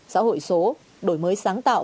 xã hội số đổi mới sáng tạo